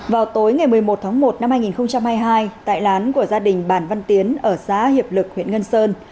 vào tối ngày một mươi một tháng một năm hai nghìn hai mươi hai tại lán của gia đình bản văn tiến ở xã hiệp lực huyện ngân sơn